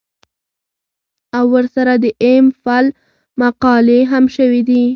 او ورسره د ايم فل مقالې هم شوې دي